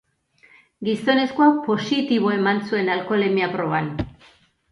Gizonezkoak positibo eman zuen alkoholemia proban.